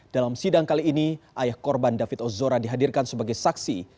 dalam sidang kali ini ayah korban david ozora dihadirkan sebagai saksi